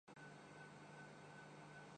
اس موقع پر انصار کے دو آدمی ملے